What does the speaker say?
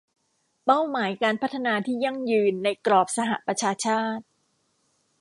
เป้าหมายการพัฒนาที่ยั่งยืนในกรอบสหประชาชาติ